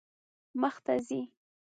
مخ ته ځئ